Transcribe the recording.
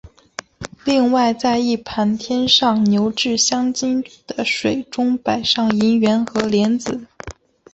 另外在一盘添上牛至香精的水中摆上银元和莲子。